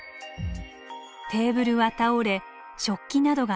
テーブルは倒れ食器などが散乱。